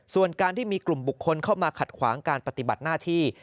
ส่วนการที่มีกลุ่มบุคคลเข้ามาขัดขวางการปฏิบัติหน้าที่